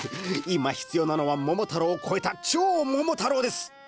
今必要なのは「桃太郎」を超えた「超桃太郎」です！